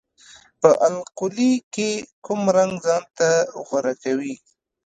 په القلي کې کوم رنګ ځانته غوره کوي؟